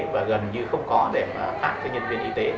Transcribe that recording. và gần như không có để phát cho nhân viên y tế